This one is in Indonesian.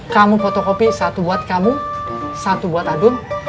kamu fotokopi satu buat kamu satu buat adun